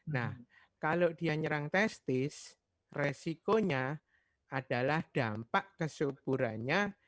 nah kalau dia nyerang testis resikonya adalah dampak kesuburannya